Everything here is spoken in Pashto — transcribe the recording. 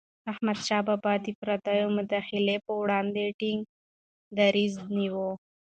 احمدشاه بابا به د پردیو مداخلي پر وړاندې ټينګ دریځ نیوه.